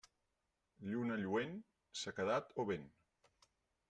Lluna lluent, sequedat o vent.